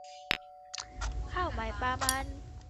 ข้าวใหม่ปลามัน